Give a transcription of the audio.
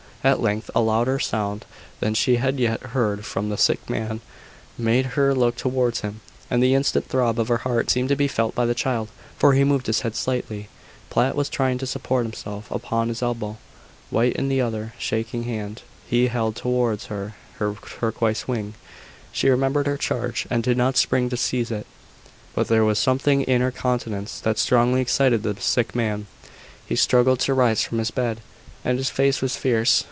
At length a louder sound than she had yet heard from the sick man, made her look towards him; and the instant throb of her heart seemed to be felt by the child, for he moved his head slightly. Platt was trying to support himself upon his elbow, while in the other shaking hand, he held towards her her turquoise ring. She remembered her charge, and did not spring to seize it; but there was something in her countenance that strongly excited the sick man. He struggled to rise from his bed, and his face was fierce.